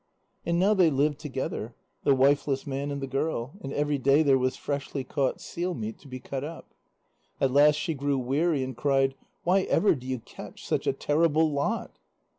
And now they lived together, the wifeless man and the girl, and every day there was freshly caught seal meat to be cut up. At last she grew weary, and cried: "Why ever do you catch such a terrible lot?"